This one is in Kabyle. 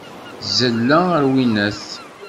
D zzella, a winnat!